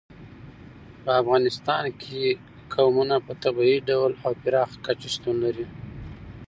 په افغانستان کې قومونه په طبیعي ډول او پراخه کچه شتون لري.